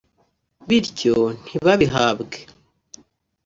bityo ntibabihabwe